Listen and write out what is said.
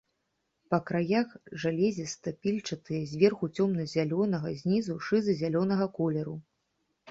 Па краях жалезістай-пільчатыя, зверху цёмна -зялёнага, знізу шыза- зялёнага колеру.